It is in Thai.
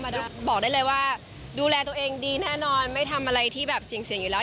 บอกได้เลยว่าดูแลตัวเองดีแน่นอนไม่ทำอะไรที่แบบเสี่ยงอยู่แล้ว